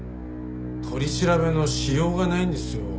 取り調べのしようがないんですよ。